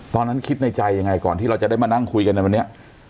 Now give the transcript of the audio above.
ตอนนั้นคิดในใจยังไงก่อนที่เราจะได้มานั่งคุยกันในวันนี้